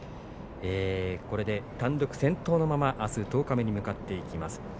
これで単独先頭のままあす十日目に向かっていきます。